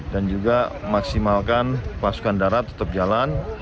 dan juga maksimalkan pasukan darat tetap jalan